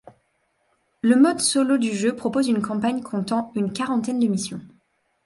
Le mode solo du jeu propose une campagne comptant une quarantaine de missions.